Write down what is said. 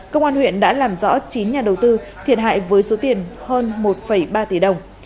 công an huyện đã làm rõ chín nhà đầu tư thiệt hại với số tiền hơn một ba tỷ đồng